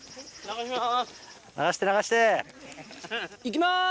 行きます！